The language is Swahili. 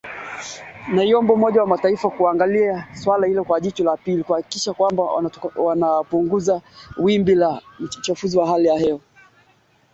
Mambo yanayosababisha ugonjwa wa ndigana kali